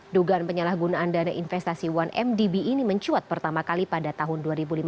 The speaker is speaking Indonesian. dugaan penyalahgunaan dana investasi satu mdb ini mencuat pertama kali pada tahun dua ribu lima belas